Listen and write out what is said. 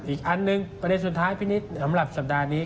อีกอันหนึ่งประเด็นสุดท้ายพี่นิดสำหรับสัปดาห์นี้